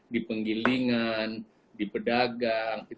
di penggilingan di pedagang